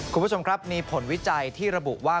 คุณผู้ชมครับมีผลวิจัยที่ระบุว่า